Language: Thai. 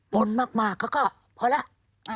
นมากเขาก็พอแล้ว